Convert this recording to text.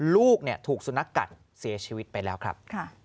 ลูกถูกสุนัขกัดเสียชีวิตไปแล้วครับ